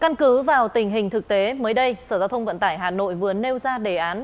căn cứ vào tình hình thực tế mới đây sở giao thông vận tải hà nội vừa nêu ra đề án